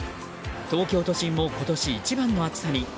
東京都心も今年一番の暑さに。